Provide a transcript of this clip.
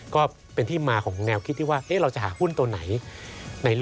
ก็เป็นที่มาของแนวคิดที่ว่า